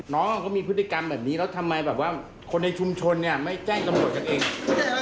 น้องเขามีพฤติกรรมแบบนี้แล้วทำไมแบบว่าคนในชุมชนเนี่ยไม่แจ้งตำรวจกันเอง